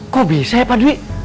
kok bisa pak dwi